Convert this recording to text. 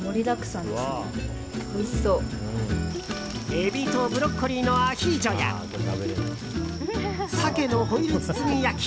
エビとブロッコリーのアヒージョやサケのホイル包み焼き。